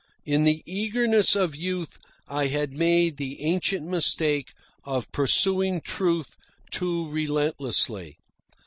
In the eagerness of youth I had made the ancient mistake of pursuing Truth too relentlessly.